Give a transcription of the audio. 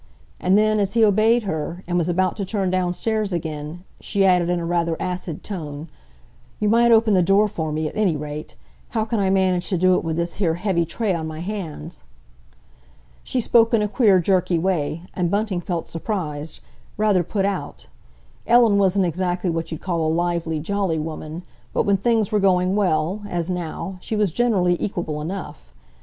And then, as he obeyed her, and was about to turn downstairs again, she added in a rather acid tone, "You might open the door for me, at any rate! How can I manage to do it with this here heavy tray on my hands?" She spoke in a queer, jerky way, and Bunting felt surprised—rather put out. Ellen wasn't exactly what you'd call a lively, jolly woman, but when things were going well—as now—she was generally equable enough.